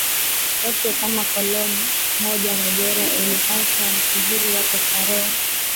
yote kama koloni mojaNigeria ilipata uhuru wake tarehe